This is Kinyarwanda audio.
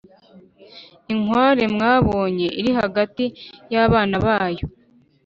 Inkware mwabonye iri hagati y'abana bayo,